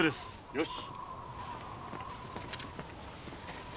よし。